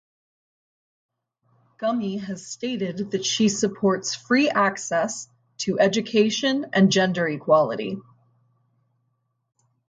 Gummi has stated that she supports free access to education and gender equality.